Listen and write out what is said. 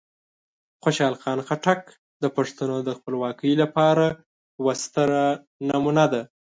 خوشحال خان خټک د پښتنو د خپلواکۍ لپاره یوه ستره نمونه ده.